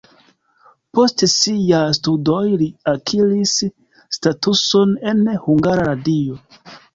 Post siaj studoj li akiris statuson en Hungara Radio.